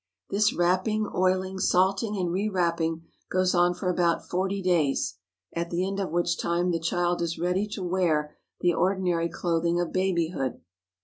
This wrapping, oiling, salting, and re wrapping goes on for about forty days, at the end of which time the child is ready to wear the ordinary cloth ing of babyhood.